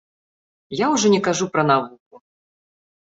Я ўжо не кажу пра навуку.